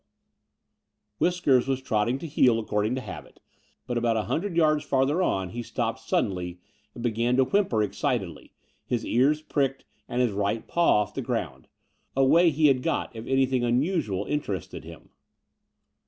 58 The Door of the Unreal Whiskers was trotting to heel according to habit ; but about a hundred yards farther on he stopped suddenly and began to whimper excitedly, his ears pricked and his right paw off the ground — a. way he had got if anything unusual interested him.